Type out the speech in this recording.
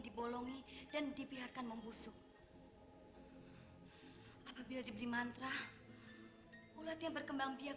dibolongi dan dibiarkan membusuk apabila diberi mantra ulat yang berkembang biak